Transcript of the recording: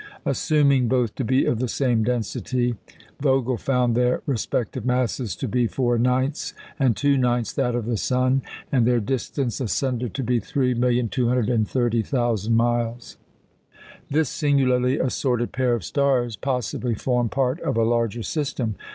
Assuming both to be of the same density, Vogel found their respective masses to be four ninths and two ninths that of the sun, and their distance asunder to be 3,230,000 miles. This singularly assorted pair of stars possibly form part of a larger system.